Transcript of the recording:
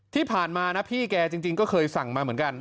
ที่ผ่านมานะพี่แกจริงก็เคยสั่งมาเหมือนกัน